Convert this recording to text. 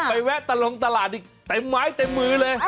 แวะตะลงตลาดอีกเต็มไม้เต็มมือเลย